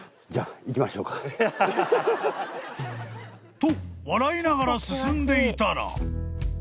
［と笑いながら進んでいたら］